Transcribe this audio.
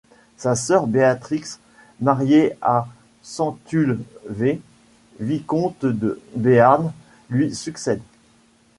Sa sœur Béatrix, mariée à Centulle V, vicomte de Béarn, lui succède.